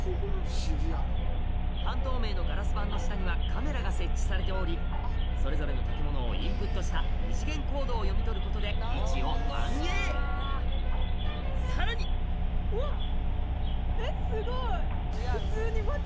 半透明のガラス板の下にはカメラが設置されておりそれぞれの建物をインプットした二次元コードを読み取ることで位置を反映さらにうわっ！